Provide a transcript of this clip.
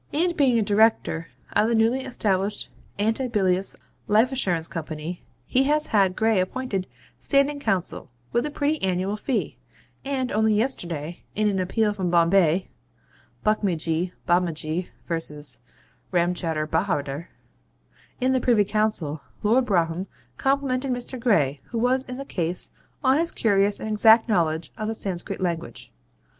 And being a Director of the newly established Antibilious Life Assurance Company, he has had Gray appointed Standing Counsel, with a pretty annual fee; and only yesterday, in an appeal from Bombay (Buckmuckjee Bobbachee v. Ramchowder Bahawder) in the Privy Council, Lord Brougham complimented Mr. Gray, who was in the case, on his curious and exact knowledge of the Sanscrit language.